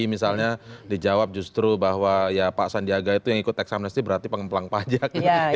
misalnya dijawab justru bahwa ya pak sandiaga itu yang ikut teks amnesty berarti pengemplang pajak